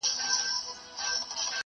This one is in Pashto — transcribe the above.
چې له جګړې راستون شوی وي